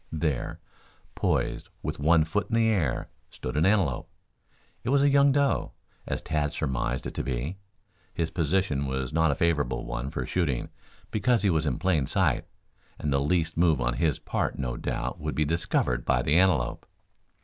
There, poised with one foot in the air, stood an antelope. It was a young doe, as Tad surmised it to be. His position was not a favorable one for shooting because he was in plain sight, and the least move on his part no doubt would be discovered by the antelope.